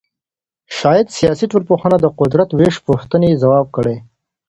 شاید سیاسي ټولنپوهنه د قدرت د وېش پوښتنې ځواب کړي.